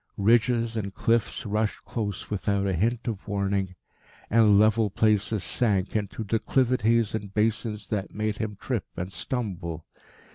Ridges and cliffs rushed close without a hint of warning, and level places sank into declivities and basins that made him trip and stumble.